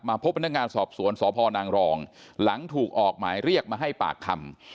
พบพนักงานสอบสวนสพนางรองหลังถูกออกหมายเรียกมาให้ปากคำ